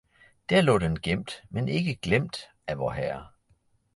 der lå den gemt, men ikke glemt af Vorherre.